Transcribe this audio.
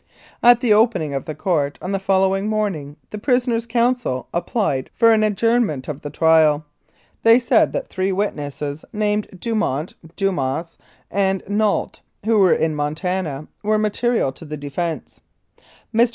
At the opening of the court on the following morn ing the prisoner's counsel applied for an adjournment of the trial. They said that three witnesses named Dumont, Dumas and Nault, who were in Montana, were material to the defence. Mr.